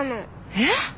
えっ？